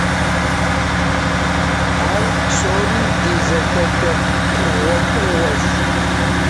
Ар псоми ди зэхуэдэ хъугъуэфӀыгъуэщ.